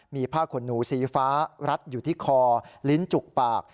มีผ้าขนหนูสีฟ้ารัดอยู่ที่คอลิ้นจุกปาก